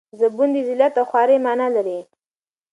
زبون د ذلت او خوارۍ مانا لري.